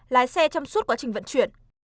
lái xe trong suốt quá trình vận chuyển